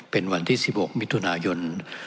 เป็นวันที่๑๖มิถุนายน